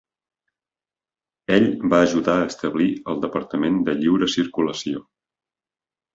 Ell va ajudar a establir el departament de lliure circulació.